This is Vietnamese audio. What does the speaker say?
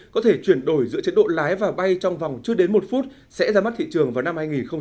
có thể chuyển đổi giữa chế độ lái và bay trong vòng trước đến một phút sẽ ra mắt thị trường vào năm hai nghìn một mươi chín